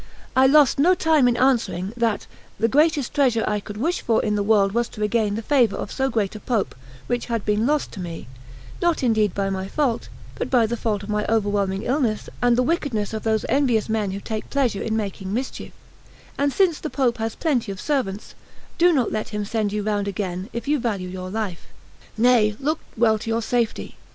I lost no time in answering that "the greatest treasure I could wish for in the world was to regain the favour of so great a Pope, which had been lost to me, not indeed by my fault, but by the fault of my overwhelming illness and the wickedness of those envious men who take pleasure in making mischief; and since the Pope has plenty of servants, do not let him send you round again, if you value your life... nay, look well to your safety.